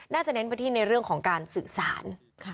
เน้นไปที่ในเรื่องของการสื่อสาร